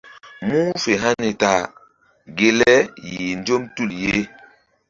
Mu̧h fe hani ta ge le yih nzɔm tul ye.